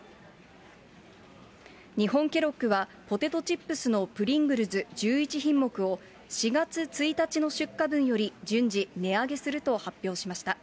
日本ケロッグは、ポテトチップスのプリングルズ１１品目を、４月１日の出荷分より順次値上げすると発表しました。